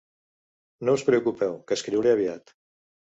No us preocupeu, que escriuré aviat.